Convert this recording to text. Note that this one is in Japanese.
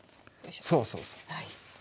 そうそうそう。